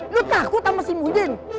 lo takut sama si muhin